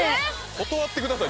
断ってください